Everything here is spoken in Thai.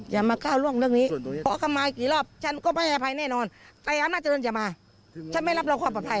อย่ามาก้าวร่วงเรื่องนี้ขอขมากี่รอบฉันก็ไม่อภัยแน่นอนแต่อาจารย์จะมาฉันไม่รับรองความอภัย